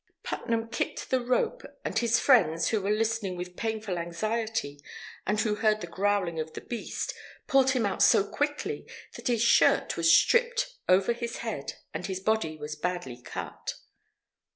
Putnam kicked the rope, and his friends, who were listening with painful anxiety and who heard the growling of the beast, pulled him out so quickly that his shirt was stripped over his head and his body was badly cut.